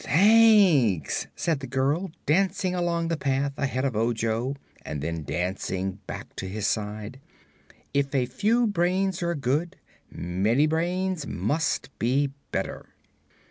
"Thanks," said the girl, dancing along the path ahead of Ojo and then dancing back to his side. "If a few brains are good, many brains must be better."